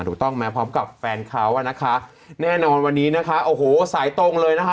ถูกต้องไหมพร้อมกับแฟนเขาอ่ะนะคะแน่นอนวันนี้นะคะโอ้โหสายตรงเลยนะคะ